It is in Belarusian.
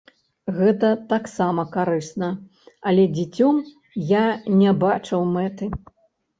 Гэта таксама карысна, але дзіцём я не бачыў мэты.